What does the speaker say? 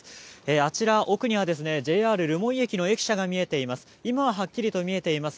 あちら、奥にはＪＲ留萌駅の駅舎が見えています。